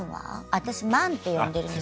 私「マン」って呼んでるんです。